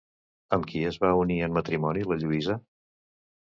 Amb qui es va unir en matrimoni la Lluïsa?